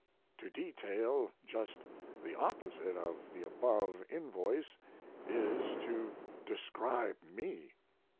To detail just the opposite of the above invoice is to describe me.